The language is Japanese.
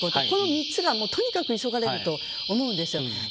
この３つがとにかく急がれると思うんですよ。